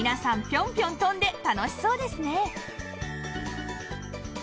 ピョンピョン跳んで楽しそうですね